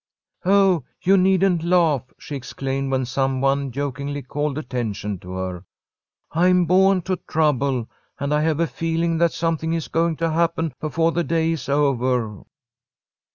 "Oh, you needn't laugh," she exclaimed, when some one jokingly called attention to her. "I'm born to trouble; and I have a feeling that something is going to happen before the day is over."